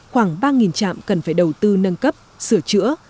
khoảng ba trạm cần phải đầu tư nâng cấp sửa chữa